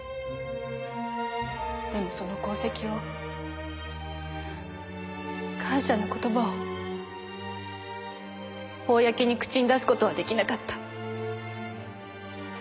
でもその功績を感謝の言葉を公に口に出す事は出来なかった。